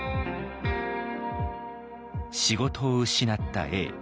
仕事を失った永。